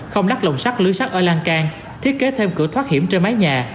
không đắt lồng sắt lưới sắt ở lan can thiết kế thêm cửa thoát hiểm trên mái nhà